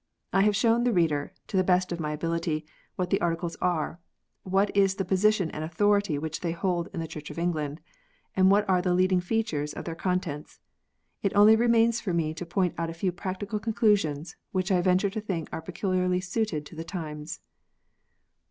I have shown the reader, to the best of my ability, what the Articles are, what is the position and authority which they hold in the Church of England, and what are the leading features of their contents. It only remains for me to point out a few practical conclusions, which I venture to think are peculiarly suited to the times.